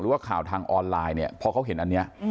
ว่าข่าวทางออนไลน์เนี่ยพอเขาเห็นอันนี้